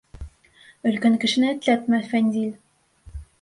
— Өлкән кешене этләтмә, Фәнзил.